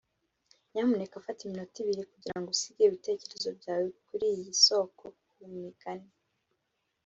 nyamuneka fata iminota ibiri kugirango usige ibitekerezo byawe kuriyi soko kumigani.